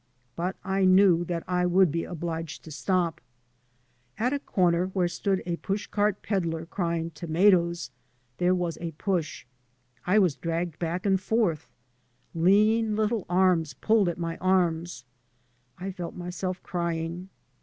But I knew that I would be obliged to stop. At a corner where stood a push cart pedlar crying " tomatoesi *' there was a push; I was dragged back aiid forth. Lean little arms pulled at my arms. I felt myself crying.